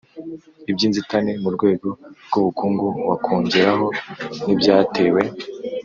iby'inzitane mu rwego rw'ubukungu, wakongeraho n'ibyatewe